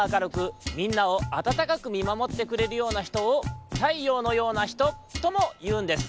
みんなをあたたかくみまもってくれるようなひとを「太陽のようなひと」ともいうんです。